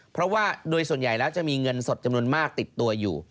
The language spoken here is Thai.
เพราะว่าโดยส่วนใหญ่แล้วจะมีเงินสดจำนวนมากติดตัวอยู่